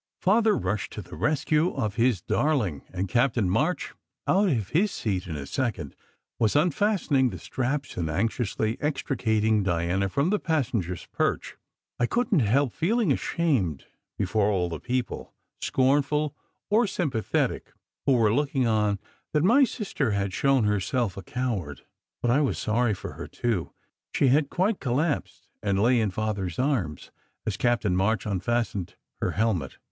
Father rushed to the rescue of his darling, and Captain March out of his seat in a second was unfastening the straps and anxiously extricating Diana from the passen ger s perch. I couldn t help feeling ashamed before all the people scornful or sympathetic, who were looking 48 SECRET HISTORY on that my sister had shown herself a coward; but I was sorry for her, too. She had quite collapsed, and lay in Father s arms as Captain March unfastened her helmet.